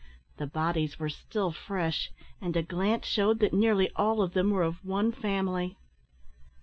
The bodies were still fresh, and a glance shewed that nearly all of them were of one family.